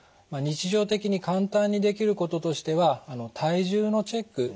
日常的に簡単にできることとしては体重のチェック。